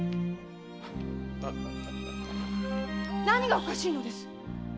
何がおかしいのですっ？